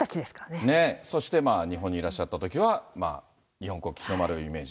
そして日本にいらっしゃったときは、日本国旗、日の丸をイメージ。